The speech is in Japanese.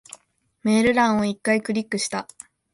メール欄を一回クリックした。